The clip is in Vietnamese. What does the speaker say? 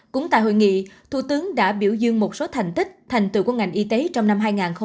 cũng tại hội nghị thủ tướng đã biểu dương một số thành tích thành tựu của ngành y tế trong năm hai nghìn hai mươi